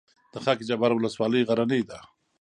د خاک جبار ولسوالۍ غرنۍ ده